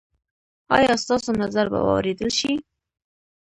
ایا ستاسو نظر به واوریدل شي؟